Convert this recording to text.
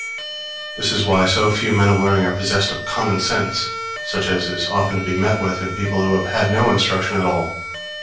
This is why so few men of learning are possessed of common sense, such as is often to be met with in people who have had no instruction at all.